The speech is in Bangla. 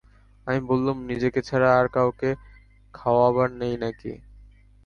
আমি বললুম, নিজেকে ছাড়া আর কাউকে খাওয়াবার নেই নাকি?